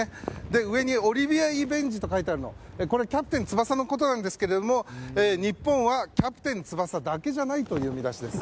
上にオリビアリベンジと書いてあるのはこれは「キャプテン翼」のことなんですが日本は「キャプテン翼」だけじゃないという見出しです。